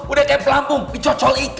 udah kayak pelampung dicocol itu